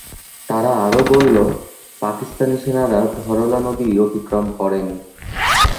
তারা আরও বলল, পাকিস্তানি সেনারা ধরলা নদী অতিক্রম করেনি।